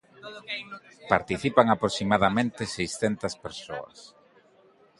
Participan aproximadamente seiscentas persoas.